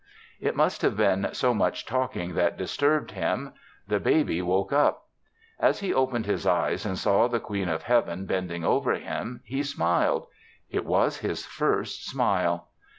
It must have been so much talking that disturbed him; the baby woke up. As he opened his eyes and saw the Queen of Heaven bending over him, he smiled. It was his first smile.